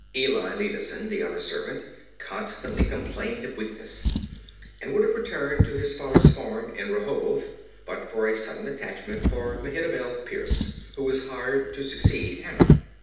Eli Lideason, the other servant, constantly complained of weakness; and would have returned to his father's farm in Rehoboth but for a sudden attachment for Mehitabel Pierce, who was hired to succeed Hannah.